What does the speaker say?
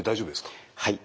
はい。